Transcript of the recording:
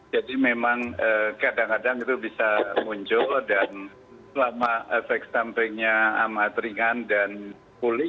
jadi memang kadang kadang itu bisa muncul dan selama efek sampingnya amat ringan dan pulih